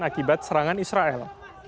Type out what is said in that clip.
akibat serangan israel